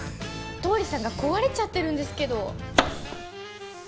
倒理さんが壊れちゃってるんですけど。